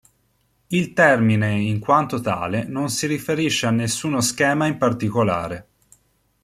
Il termine in quanto tale non si riferisce a nessuno schema in particolare.